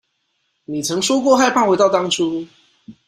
你曾說過害怕回到當初